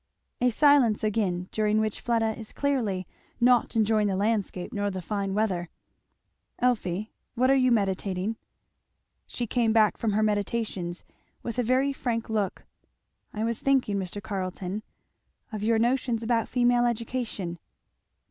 A silence again, during which Fleda is clearly not enjoying the landscape nor the fine weather. "Elfie, what are you meditating?" She came back from her meditations with a very frank look. "I was thinking, Mr. Carleton, of your notions about female education."